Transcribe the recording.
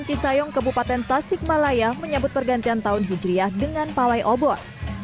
cisayong kebupaten tasikmalaya menyambut pergantian tahun hijriah dengan pawai obor